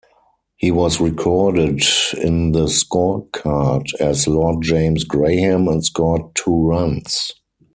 He was recorded in the scorecard as Lord James Graham and scored two runs.